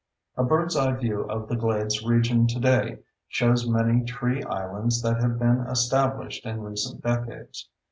A bird's eye view of the glades region today shows many tree islands that have been established in recent decades.